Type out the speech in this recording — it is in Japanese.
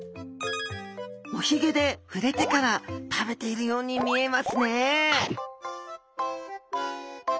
おヒゲで触れてから食べているように見えますね